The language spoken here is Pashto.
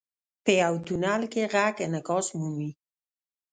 • په یو تونل کې ږغ انعکاس مومي.